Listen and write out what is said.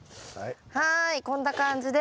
はいこんな感じで。